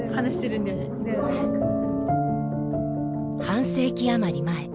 半世紀余り前。